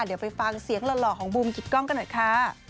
เดี๋ยวไปฟังเสียงหล่อของบูมกิตกล้องกันหน่อยค่ะ